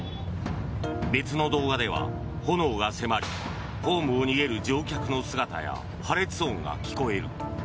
別の動画では、炎が迫りホームを逃げる乗客の姿や破裂音が聞こえる。